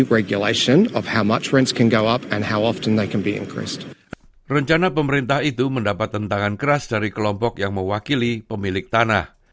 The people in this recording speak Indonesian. rencana pemerintah itu mendapat tentangan keras dari kelompok yang mewakili pemilik tanah